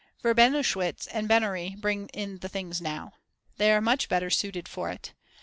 Verbenowitsch and Bennari bring in the things now. They are much better suited for it.